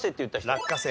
落花生。